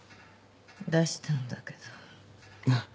出したんだけど。